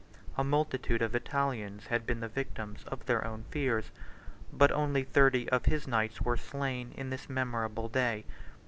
A multitude of Italians had been the victims of their own fears; but only thirty of his knights were slain in this memorable day.